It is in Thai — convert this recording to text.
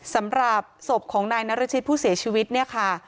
สำหรับศพของนายนรชิตผู้เสียชีวิตเนี่ยค่ะ